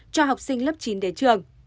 cho học sinh lớp chín đến trường